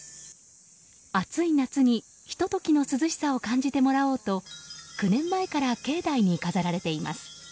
暑い夏に、ひと時の涼しさを感じてもらおうと９年前から境内に飾られています。